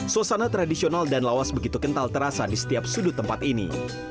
suasana tradisional dan lawas begitu kental terasa di setiap sudut tempat ini